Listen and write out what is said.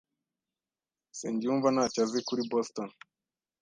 Nsengiyumva ntacyo azi kuri Boston.